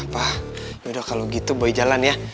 pak ya udah kalau gitu boy jalan ya